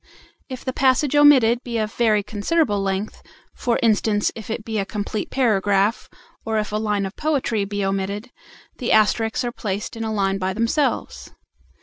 If the passage omitted be of very considerable length, for instance if it be a complete paragraph, or if a line of poetry be omitted, the asterisks are placed in a line by themselves.